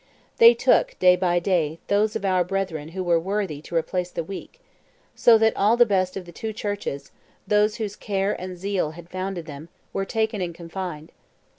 They took, day by day, those of our brethren who were worthy to replace the weak; so that all the best of the two churches, those whose care and zeal had founded them, were taken and confined.